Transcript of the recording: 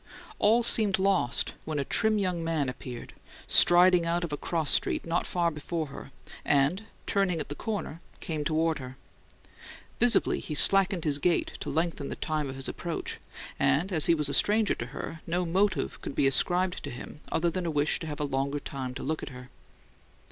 All seemed lost when a trim young man appeared, striding out of a cross street not far before her, and, turning at the corner, came toward her. Visibly, he slackened his gait to lengthen the time of his approach, and, as he was a stranger to her, no motive could be ascribed to him other than a wish to have a longer time to look at her.